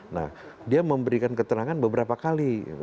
nah dia memberikan keterangan beberapa kali